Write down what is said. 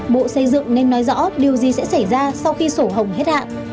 bộ xây dựng nên nói rõ điều gì sẽ xảy ra sau khi sổ hồng hết hạn